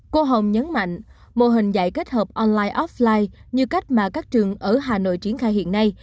cô hồng nhấn mạnh mô hình dạy kết hợp online offline như cách mà các trường ở hà nội triển khai hiện nay